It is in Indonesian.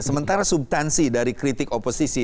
sementara subtansi dari kritik oposisi